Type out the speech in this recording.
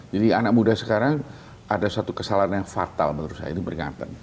jadi anak muda sekarang ada satu kesalahan yang fatal menurut saya